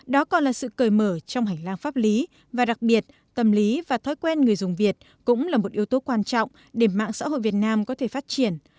đó còn là sự cởi mở trong hành lang pháp lý và đặc biệt tâm lý và thói quen người dùng việt cũng là một yếu tố quan trọng để mạng xã hội việt nam có thể phát triển